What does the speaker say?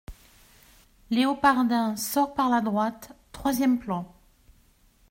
Léopardin sort par la droite, troisième plan.